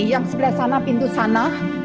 yang sebelah sana pintu sana